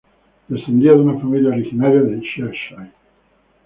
Descendía de una familia originaria de Cheshire.